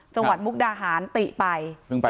จังหวัดมุกดาหารติไป